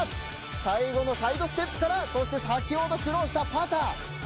最後のサイドステップから先ほど苦労したパター。